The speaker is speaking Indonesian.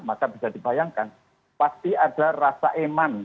maka bisa dibayangkan pasti ada rasa eman